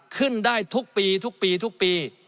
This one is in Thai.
ขึ้นได้ทุกปีทุกปีทุกปี